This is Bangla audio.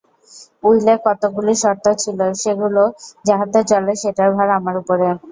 উইলে কতকগুলি শর্ত ছিল, সেগুলা যাহাতে চলে সেটার ভার আমার উপরে।